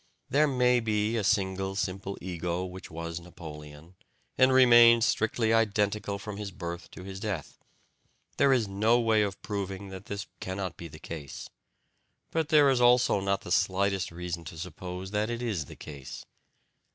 There MAY be a single simple ego which was Napoleon, and remained strictly identical from his birth to his death. There is no way of proving that this cannot be the case, but there is also not the slightest reason to suppose that it is the case.